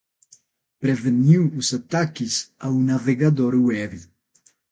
Preveniu os ataques ao navegador web